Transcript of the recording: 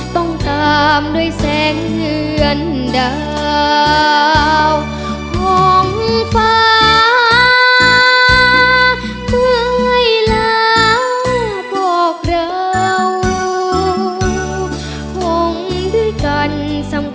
ของฟ้าเพื่อยล้างบอกเรา